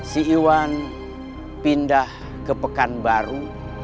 si iwan pindah ke pekanbaru